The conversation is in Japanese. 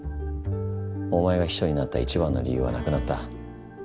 お前が秘書になった一番の理由はなくなった。